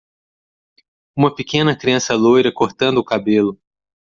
Uma pequena criança loira cortando o cabelo